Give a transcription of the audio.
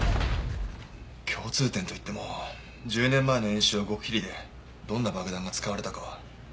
共通点といっても１０年前の演習は極秘裏でどんな爆弾が使われたかは。